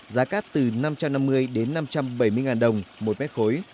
giá cát từ năm trăm năm mươi đến năm trăm bảy mươi ngàn đồng một mét khối